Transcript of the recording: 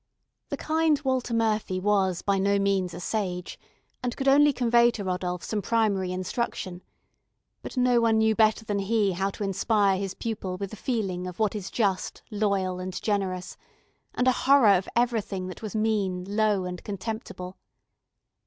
The kind Walter Murphy was by no means a sage, and could only convey to Rodolph some primary instruction; but no one knew better than he how to inspire his pupil with the feeling of what is just, loyal, and generous, and a horror of every thing that was mean, low, and contemptible.